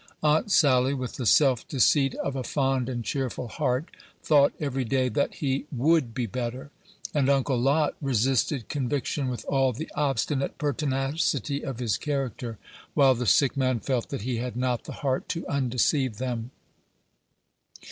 Aunt Sally, with the self deceit of a fond and cheerful heart, thought every day that "he would be better," and Uncle Lot resisted conviction with all the obstinate pertinacity of his character, while the sick man felt that he had not the heart to undeceive them.